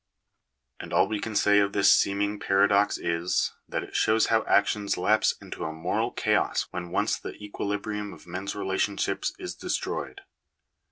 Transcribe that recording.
And all we can say of this seeming paradox is, that it shows how actions lapse into a moral chaos when once the equilibrium of men's relationships is de stroyed.